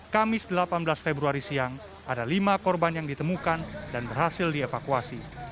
kamis delapan belas februari siang ada lima korban yang ditemukan dan berhasil dievakuasi